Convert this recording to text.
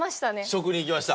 食にいきました。